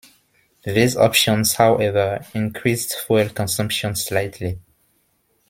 These options however, increased fuel consumption slightly.